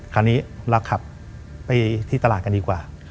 คราวนี้เราขับไปที่ตลาดกันดีกว่า